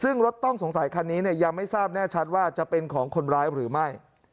ซึ่งรถต้องสงสัยคันนี้ยังไม่ทราบแน่ชัดว่าจะเป็นของคนร้ายหรือไม่